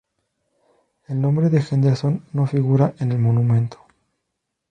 El nombre de Henderson no figura en el monumento.